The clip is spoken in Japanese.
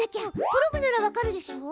プログならわかるでしょ？